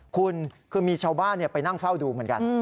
คุณคือมีชาวบ้านไปนั่งเฝ้าดูเหมือนกัน